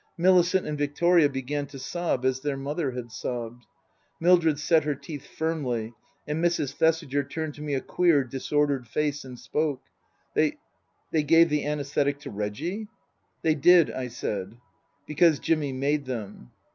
Millicent and Victoria began to sob as their mother had sobbed. Mildred set her teeth firmly ; and Mrs. Thesiger turned to me a queer, disordered face, and spoke. " They they gave the anaesthetic to Reggie ?"" They did," I said. " Because Jimmy made them."